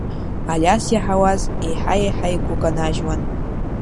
Алиас иаҳауаз еиҳа-еиҳа игәы канажьуан.